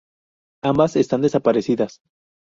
Ambas están desaparecidas.